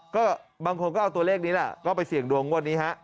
ก็บางคนก็เอาตัวเลขนี้แหละก็ไปเสี่ยงดวงงวดนี้ฮะ